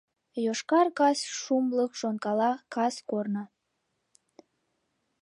Йошкар кас шумлык шонкала кас корно.